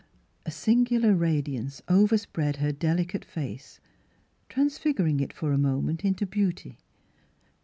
A singular radiance overspread her del icate face transfiguring it for a moment into beauty.